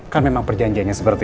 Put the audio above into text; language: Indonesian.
berapa keluarga belum mati